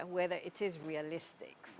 apakah itu realistik